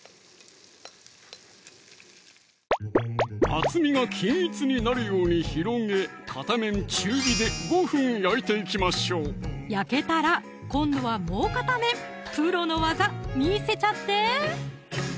厚みが均一になるように広げ片面中火で５分焼いていきましょう焼けたら今度はもう片面プロの技見せちゃって！